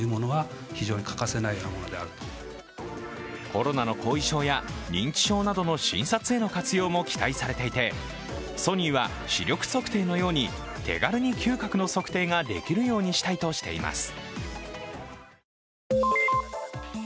コロナの後遺症や認知症などの診察への活用も期待されていてソニーは視力測定のように手軽に嗅覚の測定ができるようにしたいとしています。